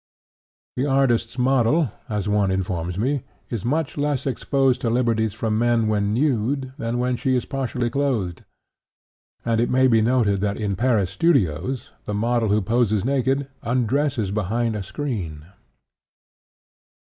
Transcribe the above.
The artist's model, as one informs me, is much less exposed to liberties from men when nude than when she is partially clothed, and it may be noted that in Paris studios the model who poses naked undresses behind a screen.